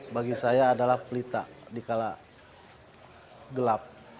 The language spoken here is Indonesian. sosok abah bagi saya adalah pelita di kalah gelap